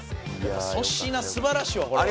粗品素晴らしいわこれは。